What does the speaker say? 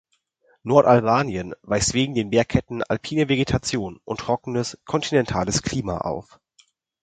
Nordalbanien weist wegen den Bergketten alpine Vegetation und trockenes kontinentales Klima auf.